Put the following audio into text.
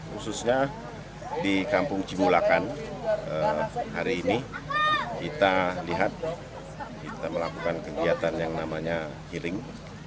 khususnya di kampung cibulakan hari ini kita melakukan kegiatan yang namanya healing